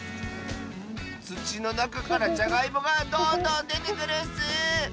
つちのなかからじゃがいもがどんどんでてくるッス！